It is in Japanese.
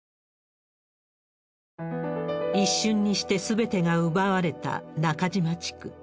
一瞬にしてすべてが奪われた中島地区。